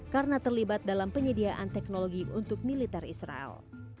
karena terlibat dalam penyediaan teknologi untuk militer israel